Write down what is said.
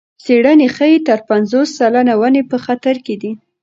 څېړنې ښيي تر پنځوس سلنه ونې په خطر کې دي.